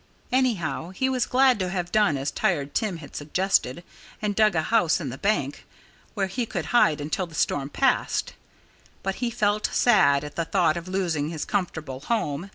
Anyhow, he was glad he had done as Tired Tim had suggested and dug a house in the bank, where he could hide until the storm passed. But he felt sad at the thought of losing his comfortable home.